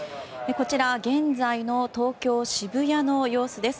こちら現在の東京・渋谷の様子です。